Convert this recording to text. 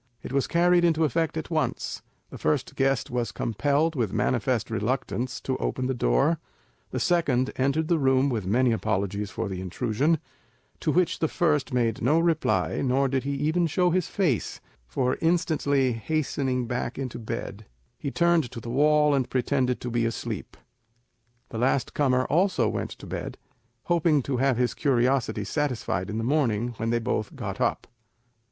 It was carried into effect at once; the first guest was compelled, with manifest reluctance, to open the door; the second entered the room with many apologies for the intrusion, to which the first made no reply, nor did he even show his face; for instantly hastening back into bed, he turned to the wall, and pretended to be asleep. The last comer also went to bed, hoping to have his curiosity satisfied in the morning when they both got up.